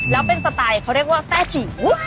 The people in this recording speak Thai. แล้วเป็นสไตล์เขาเรียกว่าแฟ่จิ๋ว